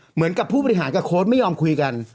เหมือนกับผู้บริหารกับโค้ดไม่ยอมคุยกัน